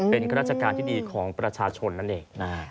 เป็นข้าราชการที่ดีของประชาชนนั่นเอง